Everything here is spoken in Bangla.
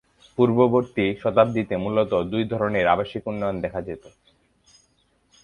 পূর্ববর্তী শতাব্দীতে মূলত দুই ধরনের আবাসিক উন্নয়ন দেখা যেত।